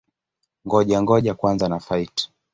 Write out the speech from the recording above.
Ngoja-ngoja kwanza na-fight!